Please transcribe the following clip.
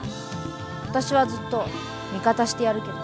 私はずっと味方してやるけどさ。